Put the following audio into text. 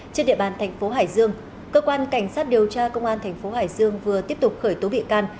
trên địa bàn thành phố hải dương cơ quan cảnh sát điều tra công an thành phố hải dương vừa tiếp tục khởi tố bị can